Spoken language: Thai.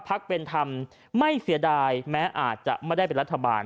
ภักเป็นธรรมไม่เสียดายแม้อาจจะไม่ได้เป็นรัฐบาล